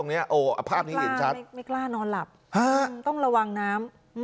ไม่กล้านอนหลับต้องระวังน้ำ